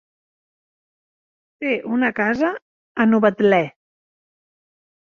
Té una casa a Novetlè.